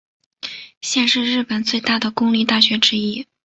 现是日本最大的公立大学之一。